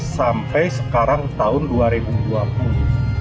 sampai sekarang tahun dua ribu dua puluh